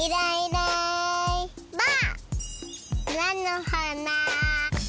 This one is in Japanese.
なのはな。